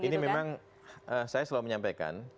ini memang saya selalu menyampaikan